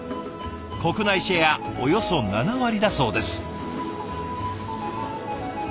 国内シェアおよそ７割だそうです。